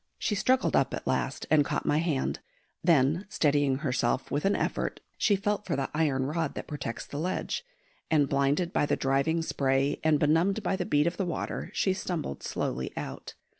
She struggled up at last and caught my hand; then, steadying herself with an effort, she felt for the iron rod that protects the ledge, and blinded by the driving spray and benumbed by the beat of the water, she stumbled slowly out.